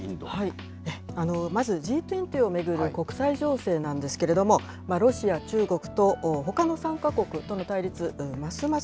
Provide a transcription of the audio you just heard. まず、Ｇ２０を巡る国際情勢なんですけれども、ロシア、中国とほかの参加国との対立、ます